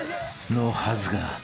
［のはずが］